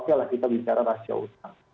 kita bicara rasio utang